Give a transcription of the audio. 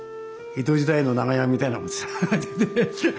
江戸時代の長屋みたいなものでした。